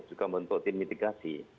juga membentuk tim mitigasi